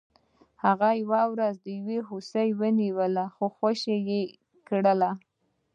هغه یوه ورځ یو هوسۍ ونیوله خو خوشې یې کړه.